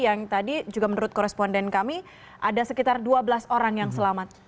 yang tadi juga menurut koresponden kami ada sekitar dua belas orang yang selamat